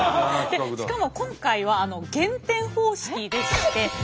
しかも今回は減点方式でして。